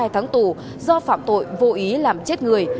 bốn mươi hai tháng tù do phạm tội vô ý làm chết người